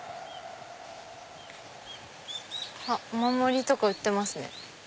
お守りとか売ってますね。